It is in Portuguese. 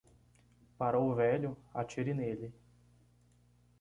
Para o velho, atire nele.